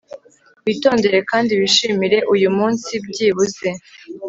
Witondere kandi wishimire uyu munsi byibuze